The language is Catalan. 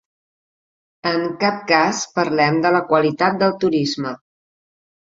En cap cas parlem de la qualitat del turisme.